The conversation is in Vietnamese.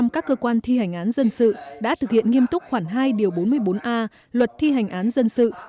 một trăm linh các cơ quan thi hành án dân sự đã thực hiện nghiêm túc khoảng hai bốn mươi bốn a luật thi hành án dân sự